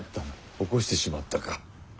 起こしてしまったか。